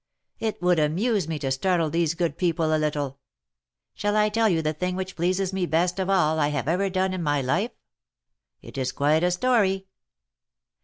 It would amuse me to startle these good people a little. Shall I tell you the thing which pleases me best of all I have ever done in my life? It is quite a story.